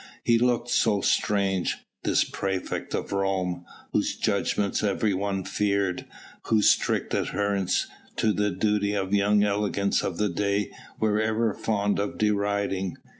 He looked so strange this praefect of Rome whose judgments everyone feared, whose strict adherence to duty the young elegants of the day were ever fond of deriding.